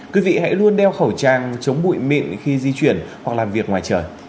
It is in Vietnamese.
quý vị hãy luôn đeo khẩu trang chống bụi mịn khi di chuyển hoặc làm việc ngoài trời